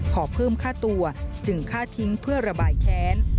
ขอเพิ่มค่าตัวจึงฆ่าทิ้งเพื่อระบายแค้น